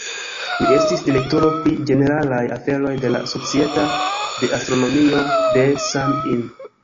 Li estis direktoro pri ĝeneralaj aferoj de la Societo de Astronomio de San-In.